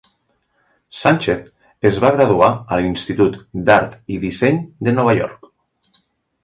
Sanchez es va graduar a l'institut d'art i disseny de Nova York.